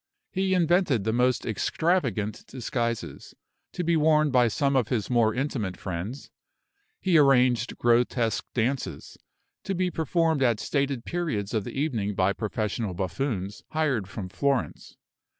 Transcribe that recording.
He invented the most extravagant disguises, to be worn by some of his more intimate friends; he arranged grotesque dances, to be performed at stated periods of the evening by professional buffoons, hired from Florence.